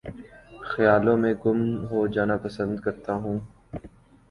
خیالوں میں گم ہو جانا پسند کرتا ہوں